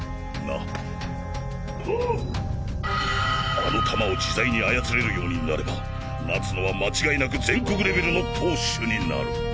あの球を自在に操れるようになれば夏野は間違いなく全国レベルの投手になる。